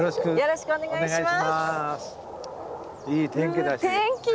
よろしくお願いします。